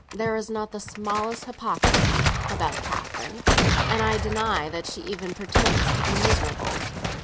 There is not the smallest hypocrisy about Catherine, and I deny that she even pretends to be miserable."